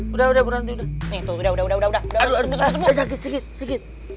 udah udah berhenti udah udah udah udah udah udah udah udah udah